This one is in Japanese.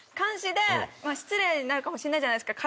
失礼になるかもしれないじゃないですか。